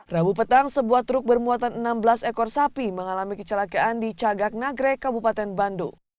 rabu petang sebuah truk bermuatan enam belas ekor sapi mengalami kecelakaan di cagak nagrek kabupaten bandung